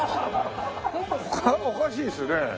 おかしいですね。